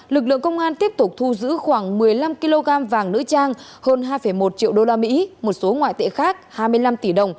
lực lượng công an tiếp tục thu giữ khoảng một mươi năm kg vàng nữ trang hơn hai một triệu usd một số ngoại tệ khác hai mươi năm tỷ đồng